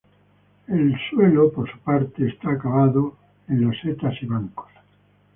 El suelo por su parte está acabado en losetas y bancos.